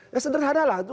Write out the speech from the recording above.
ya sederhana lah